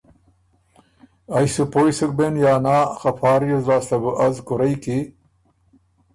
ائ سُو پوئ سُک بېن یا نا خه فا ریوز لاسته بو از کُورئ کی